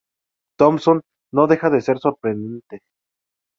Thompson, no deja de ser sorprendente.